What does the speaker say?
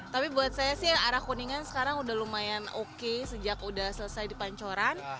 tapi buat saya sih arah kuningan sekarang sudah lumayan oke sejak sudah selesai dipancoran